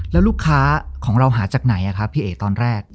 แล้วลูกค้าของเราหาจากไหนครับพี่เอ๋ตอนแรก